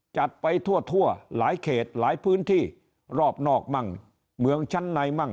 จัดไปทั่วหลายเขตหลายพื้นที่รอบนอกมั่งเมืองชั้นในมั่ง